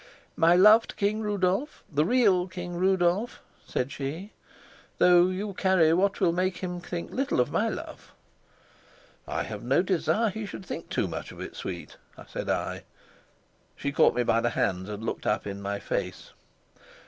"My love to King Rudolf, the real King Rudolf," said she. "Though you carry what will make him think little of my love." "I have no desire he should think too much of it, sweet," said I. She caught me by the hands, and looked up in my face.